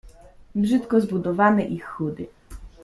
brzydko zbudowany i chudy.